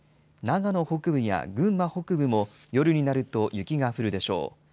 長野北部や群馬北部も、夜になると雪が降るでしょう。